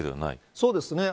そうですね。